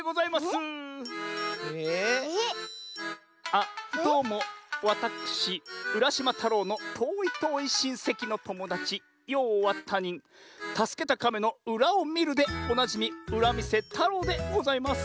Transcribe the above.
あっどうもわたくしうらしまたろうのとおいとおいしんせきのともだちようはたにんたすけたかめのうらをみるでおなじみうらみせたろうでございます。